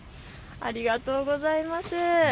ありがとうございます。